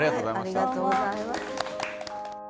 ありがとうございます。